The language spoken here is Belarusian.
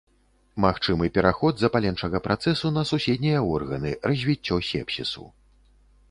Магчымы пераход запаленчага працэсу на суседнія органы, развіццё сепсісу.